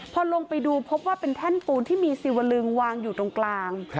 พอลงไปดูพบว่าเป็นแท่นปูนที่มีสิวลึงวางอยู่ตรงกลาง